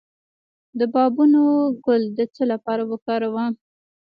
د بابونه ګل د څه لپاره وکاروم؟